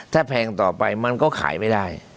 ถ้าแพงต่อไปมันก็ขายไม่ได้